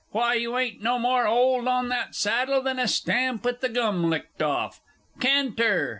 Why, you ain't no more 'old on that saddle than a stamp with the gum licked off! Can ter!